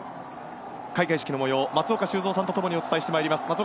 開会式の模様を松岡修造さんとともにお伝えしていきます。